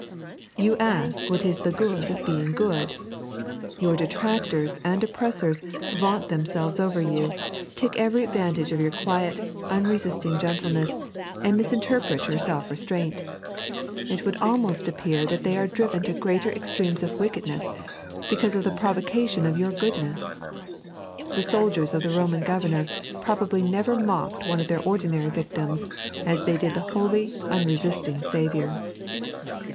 You ask what is the good of being good, Your detractors and oppressors vaunt themselves over you, take every advantage of your quiet, unresisting gentleness, and 3.n.iized by Google Won bt Love. 35 mismterpret your self reetr&int. It would almost appear tbat they are driven to greater extremes of wickedness, because of the provocatioa of your goodness. The soldiers of the Bomaa governor probably never mocked one of their ordinary victims as they did the holy, unresisting Saviour.